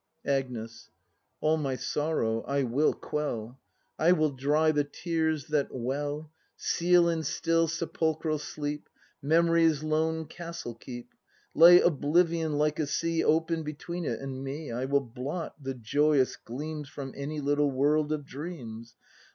Agnes. All my sorrow I will quell, I will dry the tears that well, Seal in still sepulchral sleep Memory's lone castle keep; Lay oblivion like a sea Open between it and me, I will blot the joyous gleams From my little world of dreams.